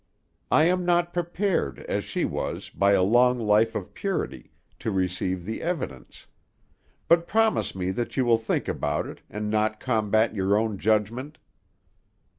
I am not prepared, as she was, by a long life of purity to receive the evidence; but promise me that you will think about it, and not combat your own judgment."